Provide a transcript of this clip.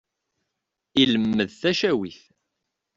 Ilemmed tacawit.